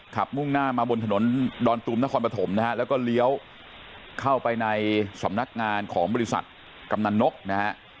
มุ่งหน้ามาบนถนนดอนตูมนครปฐมนะฮะแล้วก็เลี้ยวเข้าไปในสำนักงานของบริษัทกำนันนกนะฮะ